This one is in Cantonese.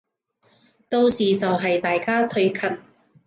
到時就係大家退群